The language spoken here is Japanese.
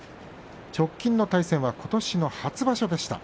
直近の対戦はことしの初場所でした。